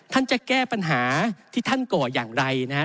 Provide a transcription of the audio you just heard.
ท่านจะแก้ปัญหาที่ท่านก่ออย่างไรนะฮะ